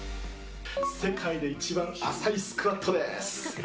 世界で一番浅いスクワットです。